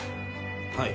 はい。